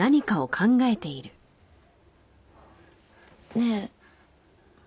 ねえ。